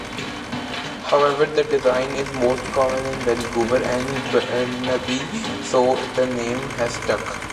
However, the design is most common in Vancouver and Burnaby-so the name has stuck.